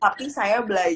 tapi saya belajar